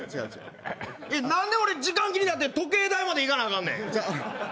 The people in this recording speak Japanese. なんで俺、時間気になって、時計台まで行なあかんねん。